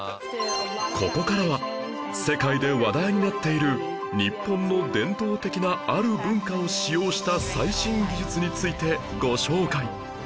ここからは世界で話題になっている日本の伝統的なある文化を使用した最新技術についてご紹介